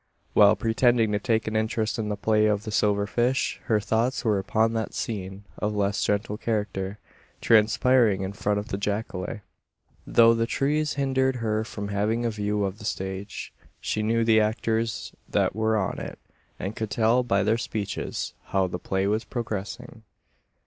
While pretending to take an interest in the play of the silver fish, her thoughts were upon that scene, of less gentle character, transpiring in front of the jacale. Though the trees hindered her from having a view of the stage, she knew the actors that were on it; and could tell by their speeches how the play was progressing.